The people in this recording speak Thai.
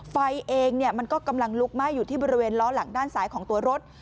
ไฟเองมันก็กำลังลุกไหม้อยู่ที่บริเวณล้อหลังด้านซ้ายของตัวรถ